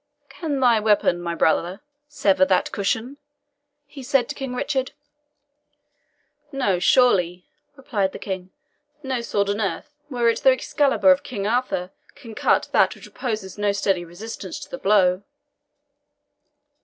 "Can thy weapon, my brother, sever that cushion?" he said to King Richard. "No, surely," replied the King; "no sword on earth, were it the Excalibur of King Arthur, can cut that which opposes no steady resistance to the blow."